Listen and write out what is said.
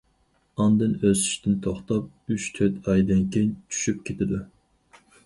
ئاندىن ئۆسۈشتىن توختاپ ئۈچ، تۆت ئايدىن كېيىن چۈشۈپ كېتىدۇ.